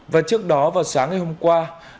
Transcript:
và trước đó vào sáng ngày hôm qua